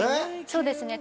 そうですね